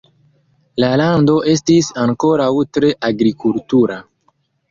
La lando estis ankoraŭ tre agrikultura.